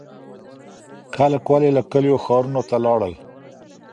خلګ ولي له کلیو ښارونو ته لاړل؟